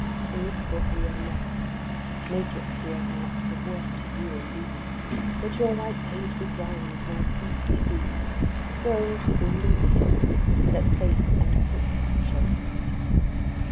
In this book we are met. Make it, dear hearts, of worth to you indeed: Let your white page be ground, my print be seed, Growing to golden ears, that faith and hope shall feed.